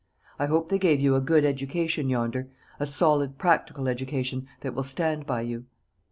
I hope they gave you a good education yonder; a solid practical education, that will stand by you."